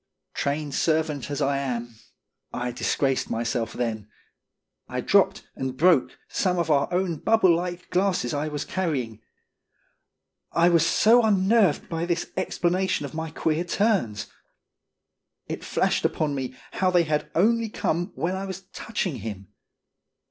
Trained servant as I am, I disgraced myself then. I dropped and broke some of our own bubble like glasses I was carrying. I was so unnerved by this explanation of my queer turns. It flashed upon me how they had only come when I was touching him.